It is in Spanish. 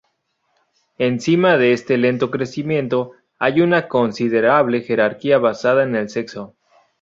Encima de este lento crecimiento, hay una considerable jerarquía basada en el sexo.